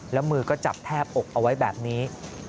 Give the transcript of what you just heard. แล้วมือก็จับแทบอกเอาไว้แบบนี้